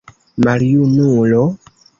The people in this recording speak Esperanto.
Maljunulo?